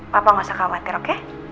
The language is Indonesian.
papa nggak usah khawatir oke